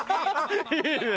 いいね！